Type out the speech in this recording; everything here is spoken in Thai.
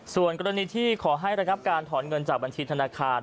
ส่วนกรณีที่ขอให้ระงับการถอนเงินจากบัญชีธนาคาร